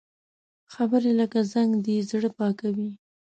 خبرې لکه زنګ دي، زړه پاکوي